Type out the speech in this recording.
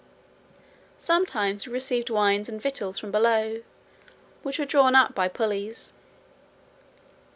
Sometimes we received wine and victuals from below, which were drawn up by pulleys.